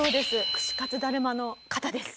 串かつだるまの方です。